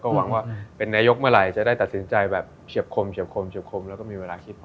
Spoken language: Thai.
ก็หวังว่าเป็นนายกเมื่อไหร่จะได้ตัดสินใจแบบเฉียบคมแล้วก็มีเวลาคิดพอ